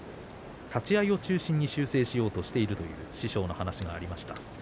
立ち合いを中心に修正しようとしているという師匠の話がありました。